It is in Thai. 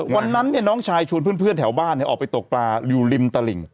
วันนั้นน้องชายชวนเพื่อนแถวบ้านออกไปตกปลาอยู่ริมตลิ่ง